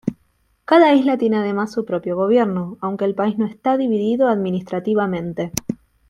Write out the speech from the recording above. Cada isla tiene además su propio gobierno, aunque el país no está dividido administrativamente.